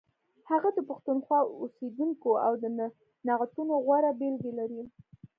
هغه د پښتونخوا اوسیدونکی او د نعتونو غوره بېلګې لري.